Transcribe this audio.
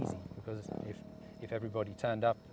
karena jika semua orang menjelaskan